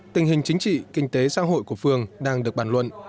tình hình chính trị kinh tế xã hội của phường đang được bàn luận